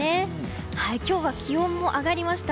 今日は気温も上がりました。